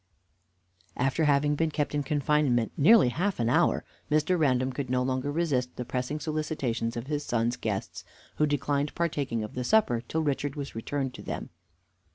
After having been kept in confinement nearly half an hour, Mr. Random could no longer resist the pressing solicitations of his son's guests, who declined partaking of the supper till Richard was returned to them.